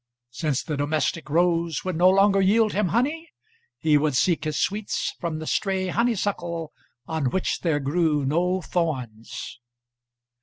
Since the domestic rose would no longer yield him honey, he would seek his sweets from the stray honeysuckle on which there grew no thorns.